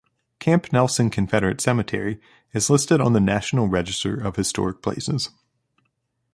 Camp Nelson Confederate Cemetery is listed on the National Register of Historic Places.